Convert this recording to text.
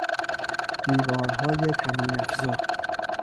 دیوارهای طنینافزا